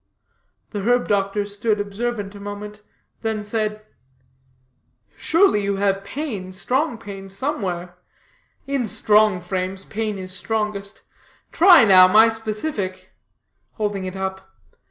The herb doctor stood observant a moment, then said: "Surely you have pain, strong pain, somewhere; in strong frames pain is strongest. Try, now, my specific," (holding it up).